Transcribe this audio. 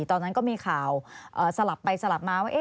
ตอนนั้นก็มีข่าวสลับไปสลับมาว่า